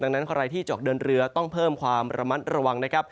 ดังนั้นใครที่จะออกเดินเรือต้องเพิ่มความระมัดระวังนะครับ